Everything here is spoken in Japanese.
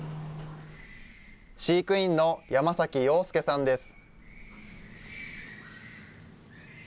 飼育員の山崎洋介さんです。